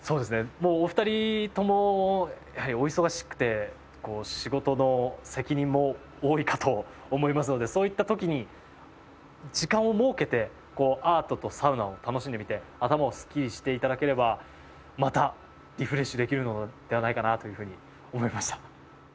もうお二人ともやはりお忙しくて仕事の責任も多いかと思いますのでそういった時に時間を設けてアートとサウナを楽しんでみて頭をすっきりして頂ければまたリフレッシュできるのではないかなというふうに思いました。